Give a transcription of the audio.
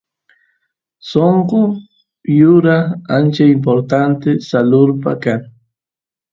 sonqo yuraq ancha importanta salurpa kan